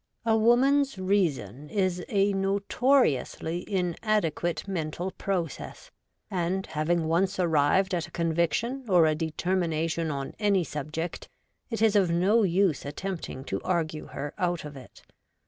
' A woman's reason ' is a no toriously inadequate mental process ; and, having once arrived at a conviction or a determination on any subject, it is of no use attempting to argue her out of it.